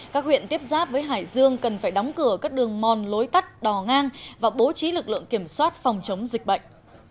các huyện tiếp giáp với hải dương cần phải đóng cửa các đường mòn lối tắt đò ngang và bố trí lực lượng kiểm soát phòng chống dịch bệnh